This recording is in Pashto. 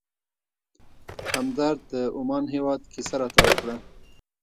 همدرد د عمان هېواد کیسه راته وکړه.